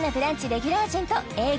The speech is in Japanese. レギュラー陣とＡぇ！